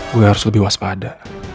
gue harus lebih waspada